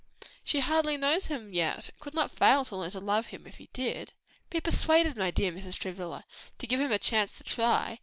"She hardly knows him yet, and could not fail to learn to love him if she did. Be persuaded my dear Mrs. Travilla, to give him a chance to try.